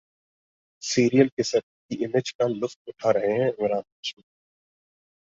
'serial kisser' की image का लुत्फ उठा रहे हैं इमरान हाशमी